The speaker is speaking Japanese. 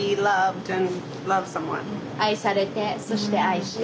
愛されてそして愛して。